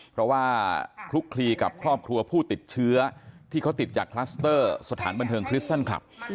เพราะว่าคลุกคลีกับครอบครัวผู้ติดเชื้อที่เขาติดจากคลัสเตอร์สถานบันเทิงคริสตันคลับ